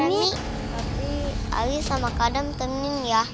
tapi ali sama kadem temenin ya